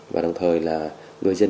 và đồng thời là người dân